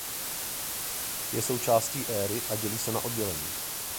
Je součástí éry a dělí se na oddělení.